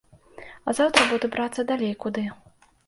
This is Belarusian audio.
А заўтра буду брацца далей куды.